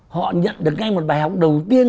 họ nhận được ngay một bài học đầu tiên